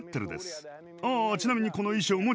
ああちなみにこの衣装も自前！